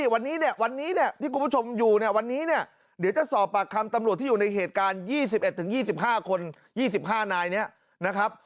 วันนี้ที่คุณผู้ชมอยู่วันนี้เดี๋ยวจะสอบปากคำตำรวจที่อยู่ในเหตุการณ์๒๑๒๕คน๒๕นายนะครับ